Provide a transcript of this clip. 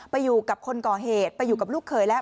ไปอยู่กับคนก่อเหตุไปอยู่กับลูกเขยแล้ว